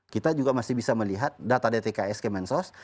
kita juga masih bisa melihat data dtks ke mensas